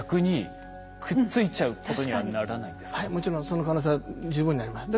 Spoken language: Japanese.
はいもちろんその可能性は十分にあります。